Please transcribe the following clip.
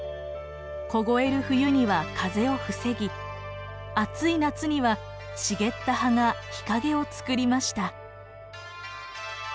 凍える冬には風を防ぎ暑い夏には茂った葉が日陰をつくりました。